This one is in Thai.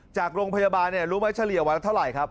จากโรงพยาบาลรู้ไหมเฉลี่ยวันละเท่าไหร่ครับ